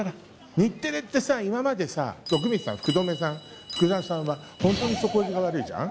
日テレってさ、今までさ、徳光さん、福留さん、福澤さんは、本当に底意地が悪いじゃん。